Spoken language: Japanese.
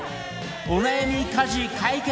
お悩み家事解決